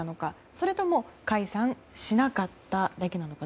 それとも解散しなかっただけなのか。